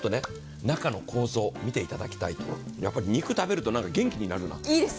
中の構造を見ていただきたい、やっぱ肉食べると、なんか元気になるな。